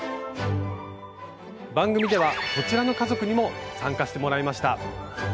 番組ではこちらの家族にも参加してもらいました。